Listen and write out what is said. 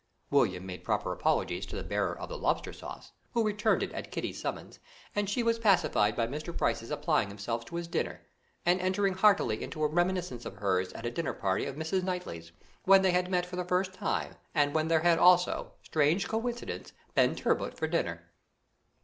William made proper apologies to the bearer of the lobster sauce, who returned it at Kitty's summons, and she was pacified by Mr. Price's applying himself to his dinner, and entering heartily into a reminiscence of hers at a dinner party at Mrs. Knightley's, when they had met for the first time, and when there had also strange coincidence been turbot for dinner.